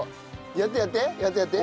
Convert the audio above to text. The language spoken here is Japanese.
やってやって！